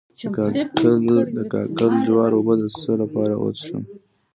د کاکل جوار اوبه د څه لپاره وڅښم؟